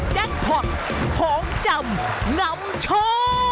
แจ็กท์พอตของจำนำโชว์